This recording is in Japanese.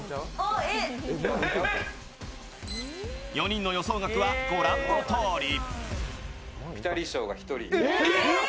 ４人の予想額は御覧のとおり。